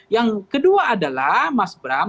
yang kedua adalah mas bram